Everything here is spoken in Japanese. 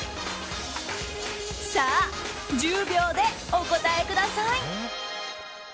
さあ、１０秒でお答えください。